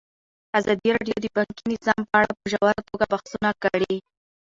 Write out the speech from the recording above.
ازادي راډیو د بانکي نظام په اړه په ژوره توګه بحثونه کړي.